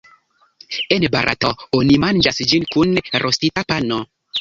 En Barato, oni manĝas ĝin kun rostita pano.